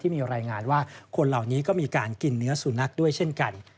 มีรายงานว่าคนเหล่านี้ก็มีการกินเนื้อสุนัขด้วยเช่นกัน